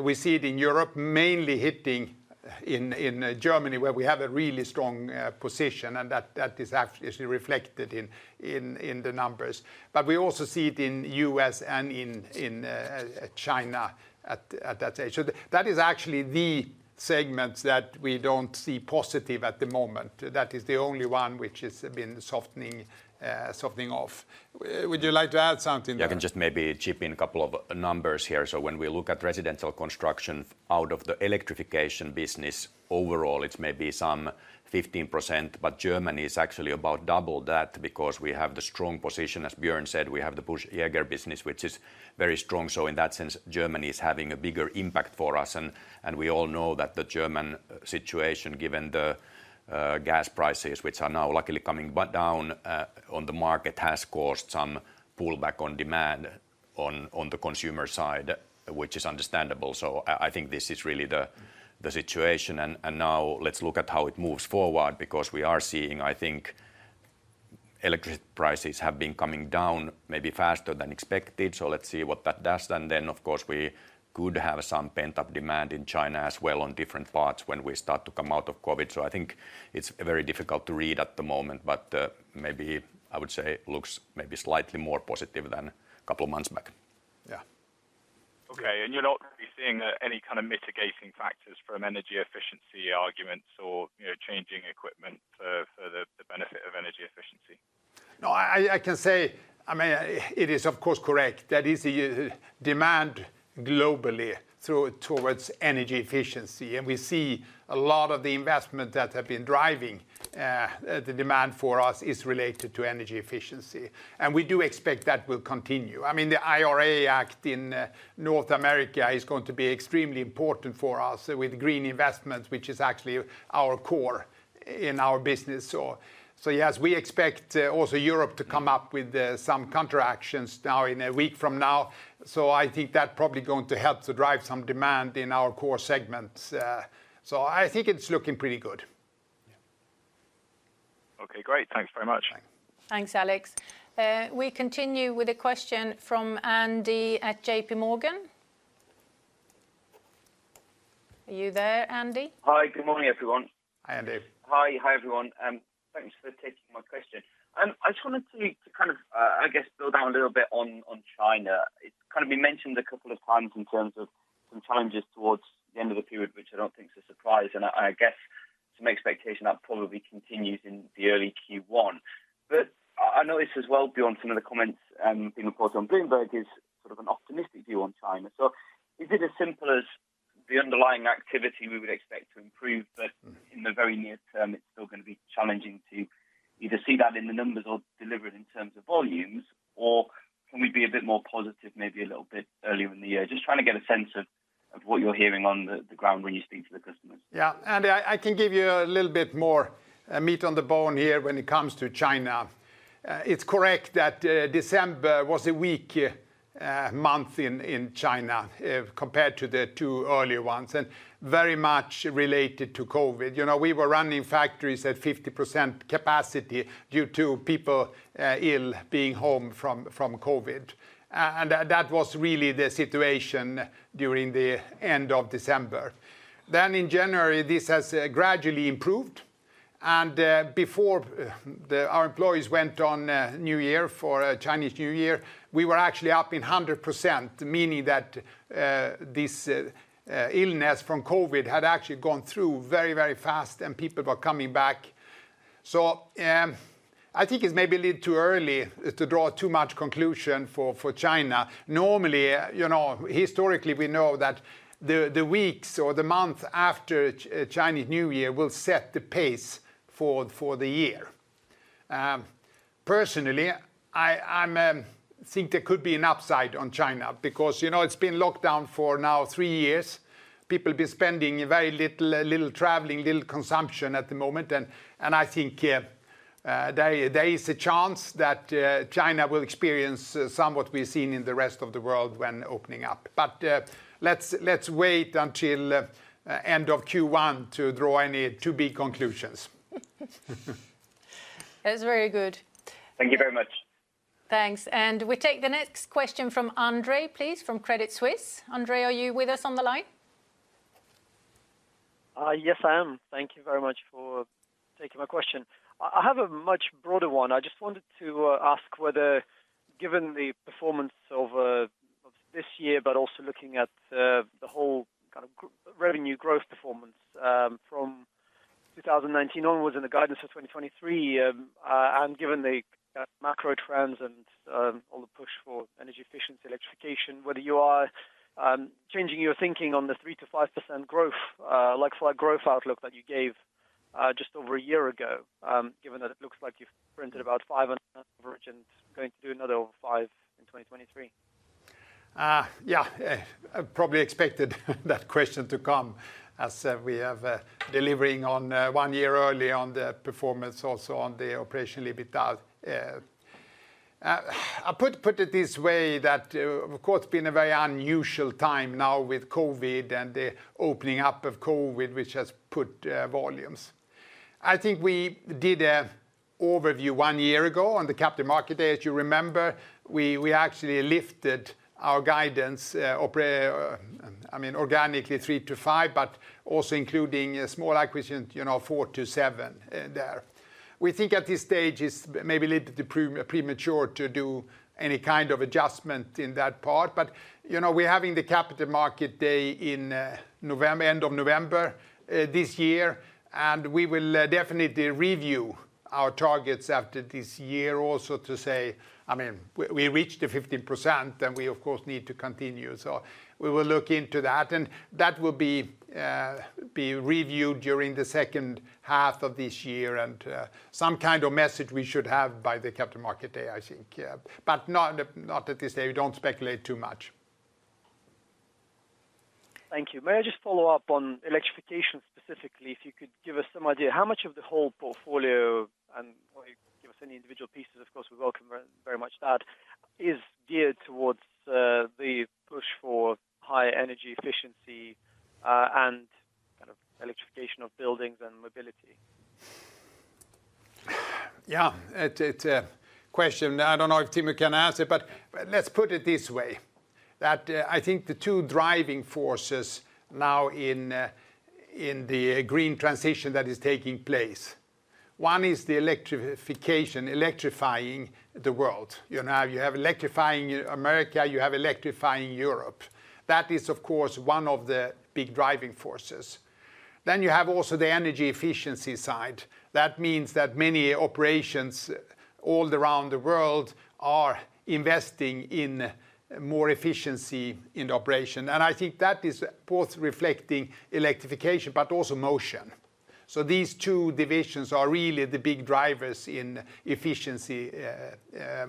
We see it in Europe mainly hitting in Germany, where we have a really strong position, and that is reflected in the numbers. We also see it in U.S. and in China at that stage. That is actually the segments that we don't see positive at the moment. That is the only one which has been softening off. Would you like to add something there? I can just maybe chip in a couple of numbers here. When we look at residential construction out of the Electrification business, overall, it's maybe some 15%, but Germany is actually about double that because we have the strong position. As Björn said, we have the Busch-Jaeger business, which is very strong. In that sense, Germany is having a bigger impact for us, and we all know that the German situation, given the gas prices, which are now luckily coming down on the market, has caused some pullback on demand on the consumer side, which is understandable. I think this is really the situation. Now let's look at how it moves forward because we are seeing, I think, electric prices have been coming down maybe faster than expected, so let's see what that does. Of course, we could have some pent-up demand in China as well on different parts when we start to come out of COVID. I think it's very difficult to read at the moment, but maybe I would say looks maybe slightly more positive than a couple months back. Yeah. You're not really seeing any kind of mitigating factors from energy efficiency arguments or, changing equipment for the benefit of energy efficiency? I can say, I mean, it is of course correct. That is a demand globally towards energy efficiency, we see a lot of the investment that have been driving the demand for us is related to energy efficiency, and we do expect that will continue. The IRA Act in North America is going to be extremely important for us with green investments, which is actually our core in our business. Yes, we expect also Europe to come up with some counteractions now in a week from now, I think that probably going to help to drive some demand in our core segments. I think it's looking pretty good. Okay, great. Thanks very much. Thanks, Alex. We continue with a question from Andy at JP Morgan. Are you there, Andy? Hi. Good morning, everyone. Hi, Andy. Hi, everyone. Thanks for taking my question. I just wanted to kind of, I guess, drill down a little bit on China. It's kind of been mentioned a couple of times in terms of some challenges towards the end of the period, which I don't think is a surprise, and I guess some expectation that probably continues in the early Q1. I noticed as well, Björn, some of the comments being reported on Bloomberg is sort of an optimistic view on China. Is it as simple as the underlying activity we would expect to improve, but in the very near term, it's still gonna be challenging to either see that in the numbers or deliver it in terms of volumes, or can we be a bit more positive maybe a little bit earlier in the year? Just trying to get a sense of what you're hearing on the ground when you speak to the customers. Andy, I can give you a little bit more meat on the bone here when it comes to China. It's correct that December was a weak month in China compared to the two earlier ones, and very much related to COVID. We were running factories at 50% capacity due to people ill, being home from COVID. And that was really the situation during the end of December. In January, this has gradually improved, and before our employees went on New Year for Chinese New Year, we were actually up in 100%, meaning that this illness from COVID had actually gone through very, very fast and people were coming back. I think it's maybe a little too early to draw too much conclusion for China. Normally, historically, we know that the weeks or the month after Chinese New Year will set the pace for the year. Personally, I think there could be an upside on China because, it's been locked down for now three years. People been spending very little traveling, little consumption at the moment, and I think there is a chance that China will experience somewhat we've seen in the rest of the world when opening up. But, let's wait until end of Q1 to draw any too big conclusions. That's very good. Thank you very much. Thanks. We take the next question from Andreas, please, from Credit Suisse. Andreas, are you with us on the line? Yes, I am. Thank you very much for taking my question. I have a much broader one. I just wanted to ask whether, given the performance over this year, also looking at the whole kind of revenue growth performance from 2019 onwards and the guidance for 2023, and given the macro trends and all the push for energy efficiency, electrification, whether you are changing your thinking on the 3%-5% growth, like for our growth outlook that you gave just over a year ago, given that it looks like you've printed about 5% on average and going to do another 5% in 2023. Yeah, probably expected that question to come as we have delivering on 1 year early on the performance also on the Operational EBITDA. I put it this way that of course, it's been a very unusual time now with COVID and the opening up of COVID, which has put volumes. I think we did a overview 1 year ago on the Capital Markets Day, as you remember. We actually lifted our guidance, I mean, organically 3%-5%, but also including a small acquisition, 4%-7% there. We think at this stage it's maybe a little bit premature to do any kind of adjustment in that part. We're having the Capital Markets Day in November, end of November, this year, we will definitely review our targets after this year also to say. I mean, we reached the 15%, then we of course need to continue. We will look into that, and that will be reviewed during the second half of this year. Some kind of message we should have by the Capital Markets Day, I think. Not at this stage. We don't speculate too much. Thank you. May I just follow up on Electrification specifically? If you could give us some idea how much of the whole portfolio, and or give us any individual pieces, of course we welcome very, much that, is geared towards the push for high energy efficiency and kind of electrification of buildings and mobility? It's a question. I don't know if Timo can answer it, but let's put it this way, that I think the two driving forces now in the green transition that is taking place, one is the Electrification, electrifying the world. You have electrifying America, you have electrifying Europe. That is, of course, one of the big driving forces. You have also the energy efficiency side. That means that many operations all around the world are investing in more efficiency in the operation, and I think that is both reflecting Electrification but also Motion. These two divisions are really the big drivers in efficiency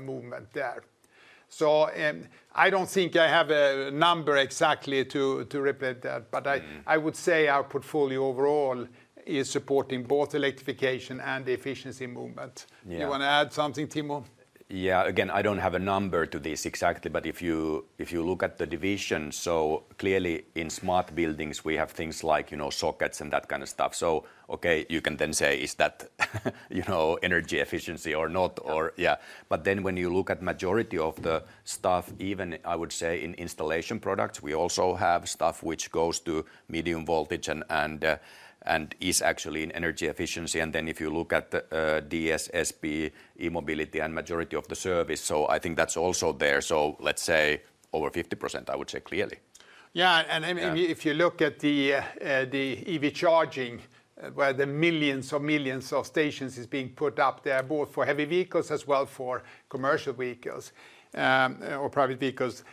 movement there. I don't think I have a number exactly to repeat that. I would say our portfolio overall is supporting both Electrification and the efficiency movement. You want to add something, Timo? Again, I don't have a number to this exactly, but if you, if you look at the division, clearly in Smart Buildings, we have things like, sockets and that kind of stuff. Okay, you can then say, Is that,"energy efficiency or not?" Or, yeah. When you look at majority of the stuff, even I would say in Installation Products, we also have stuff which goes to medium voltage and, and is actually in energy efficiency. If you look at the DSSP, E-mobility, and majority of the service, I think that's also there. Let's say over 50%, I would say, clearly. Yeah. Yeah. If you look at the EV charging, where the millions of stations is being put up there, both for heavy vehicles as well for commercial vehicles, or private vehicles,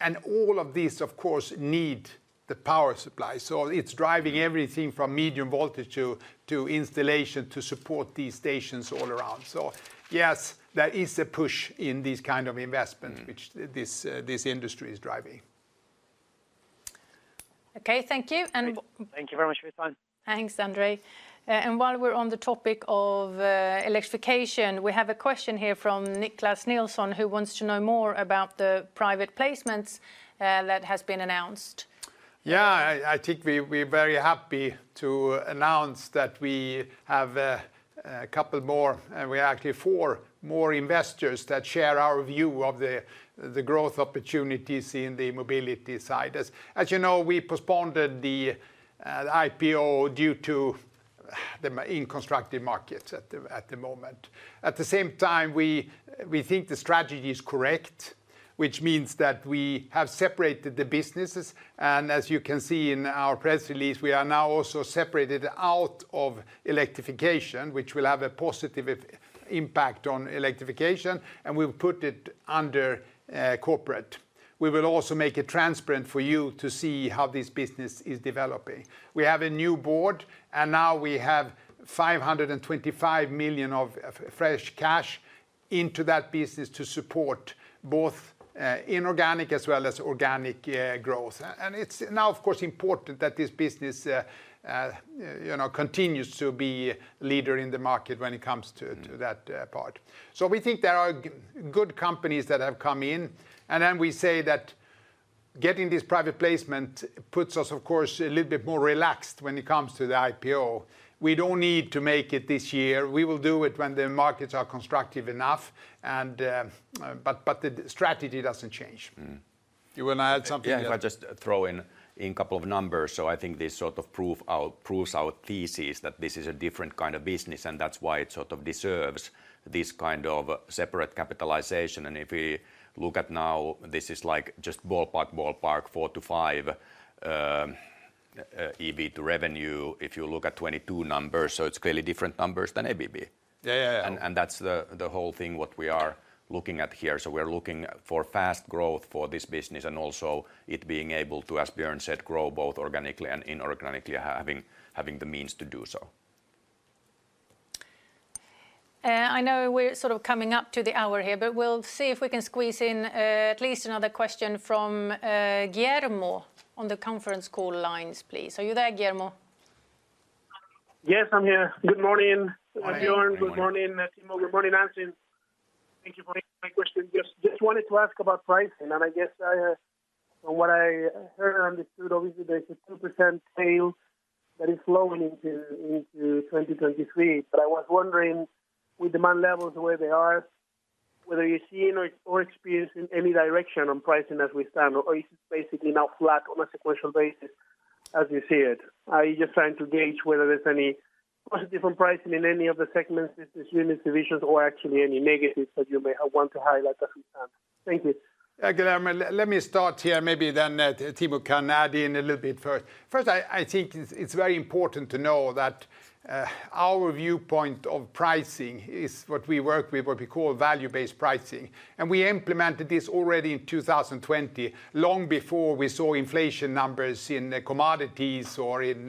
and all of these of course need the power supply. It's driving everything from medium voltage to installation to support these stations all around. Yes, there is a push in these kind of investments which this industry is driving. Okay. Thank you. Thank you very much for your time. Thanks, Andre. While we're on the topic of electrification, we have a question here from Niclas Nilsson, who wants to know more about the private placements, that has been announced. I think we're very happy to announce that we have, well, actually four more investors that share our view of the growth opportunities in the mobility side. We postponed the IPO due to the in constructive markets at the moment. At the same time, we think the strategy is correct, which means that we have separated the businesses, and as you can see in our press release, we are now also separated out of Electrification, which will have a positive impact on Electrification, and we will put it under corporate. We will also make it transparent for you to see how this business is developing. We have a new board, now we have $525 million of fresh cash into that business to support both inorganic as well as organic growth. It's now, of course, important that this business, continues to be leader in the market when it comes to that part. We think there are good companies that have come in. We say that. Getting this private placement puts us, of course, a little bit more relaxed when it comes to the IPO. We don't need to make it this year. We will do it when the markets are constructive enough and the strategy doesn't change. You want to add something? If I just throw in a couple of numbers. I think this sort of proves our thesis that this is a different kind of business, and that's why it sort of deserves this kind of separate capitalization. If we look at now, this is, like, just ballpark 4 to 5 EV to revenue if you look at 2022 numbers. It's clearly different numbers than ABB. Yeah, yeah. That's the whole thing, what we are looking at here. We're looking for fast growth for this business and also it being able to, as Björn said, grow both organically and inorganically, having the means to do so. I know we're sort of coming up to the hour here, we'll see if we can squeeze in at least another question from Guillermo on the conference call lines, please? Are you there, Guillermo? Yes, I'm here. Good morning, Björn. Hi. Good morning. Good morning, Timo. Good morning, Ann-Sofie. Thank you for taking my question. Just wanted to ask about pricing. I guess I from what I heard and understood, obviously, there's a 2% sales that is flowing into 2023. I was wondering, with demand levels the way they are, whether you're seeing or experiencing any direction on pricing as we stand, or is it basically now flat on a sequential basis as you see it? I'm just trying to gauge whether there's any different pricing in any of the segments, business units, divisions, or actually any negatives that you may have want to highlight as we stand. Thank you. Guillermo, let me start here, maybe then Timo can add in a little bit for. First, I think it's very important to know that our viewpoint of pricing is what we work with, what we call value-based pricing, and we implemented this already in 2020, long before we saw inflation numbers in the commodities or in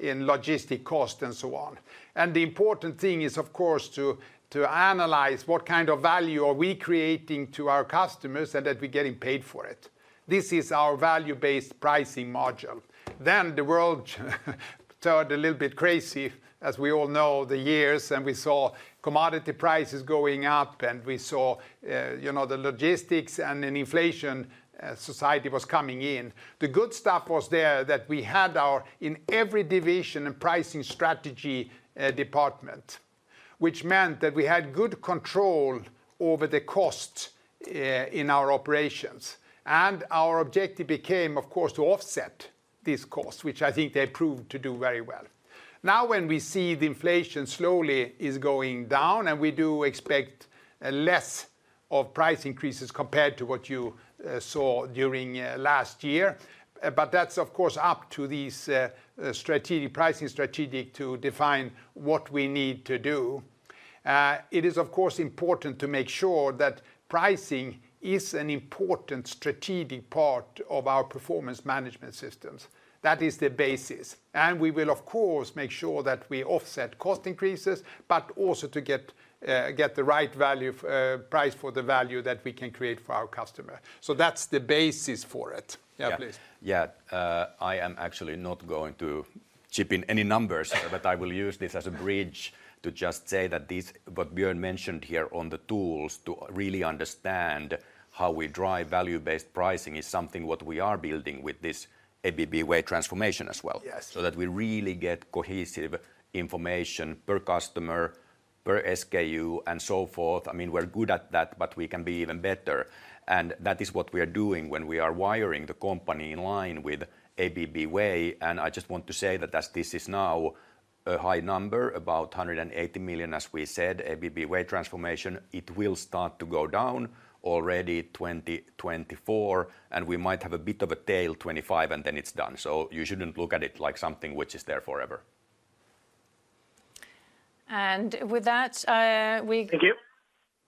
logistic cost and so on. The important thing is, of course, to analyze what kind of value are we creating to our customers and that we're getting paid for it. This is our value-based pricing module. The world turned a little bit crazy, as we all know, the years, and we saw commodity prices going up, and we saw, the logistics and then inflation society was coming in. The good stuff was there that we had our, in every division, a pricing strategy department, which meant that we had good control over the cost in our operations. Our objective became, of course, to offset this cost, which I think they proved to do very well. When we see the inflation slowly is going down, we do expect less of price increases compared to what you saw during last year. That's, of course, up to these pricing strategic to define what we need to do. It is, of course, important to make sure that pricing is an important strategic part of our performance management systems. That is the basis, and we will, of course, make sure that we offset cost increases, but also to get the right value price for the value that we can create for our customer. That's the basis for it. Please. I am actually not going to chip in any but I will use this as a bridge to just say that this, what Björn mentioned here on the tools to really understand how we drive value-based pricing is something what we are building with this ABB Way transformation as well. Yes. That we really get cohesive information per customer, per SKU, and so forth. I mean, we're good at that, but we can be even better, and that is what we are doing when we are wiring the company in line with ABB Way. I just want to say that as this is now a high number, about $180 million, as we said, ABB Way transformation, it will start to go down already 2024, and we might have a bit of a tail 2025, and then it's done. You shouldn't look at it like something which is there forever. And with that, uh, we- Thank you.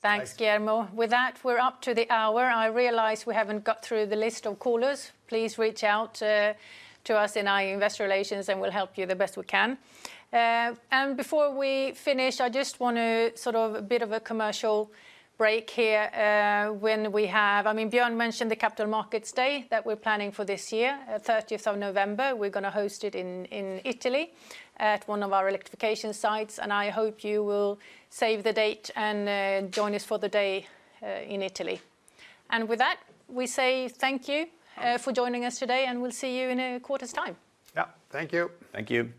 Thanks, Guillermo. Thanks. With that, we're up to the hour. I realize we haven't got through the list of callers. Please reach out to us in our investor relations, and we'll help you the best we can. Before we finish, I just want to sort of bit of a commercial break here, I mean, Björn mentioned the Capital Markets Day that we're planning for this year at 30th of November. We're gonna host it in Italy at one of our Electrification sites, and I hope you will save the date and join us for the day in Italy. With that, we say thank you for joining us today, and we'll see you in a quarter's time. Yeah. Thank you. Thank you.